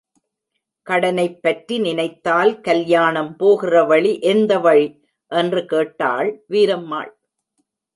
கடனைப் பற்றி நினைத்தால், கல்யாணம் போகிற வழி எந்த வழி? என்று கேட்டாள் வீரம்மாள்.